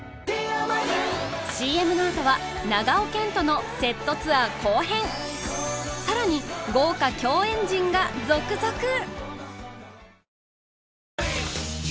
ＣＭのあとは長尾謙杜のセットツアー後編さらに豪華共演陣が続々ベイクド！